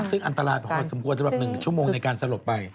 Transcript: ซึ่งอันตรายพอสมควรสำหรับ๑ชั่วโมงในการสลบไป